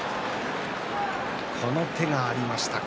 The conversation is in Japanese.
この手がありましたか。